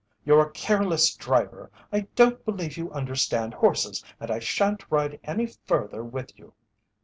"You! You're a careless driver. I don't believe you understand horses, and I shan't ride any further with you."